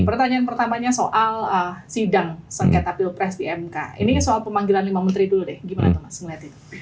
pertanyaan pertamanya soal sidang sengketa pilpres di mk ini soal pemanggilan lima menteri dulu deh gimana tuh mas ngelihat itu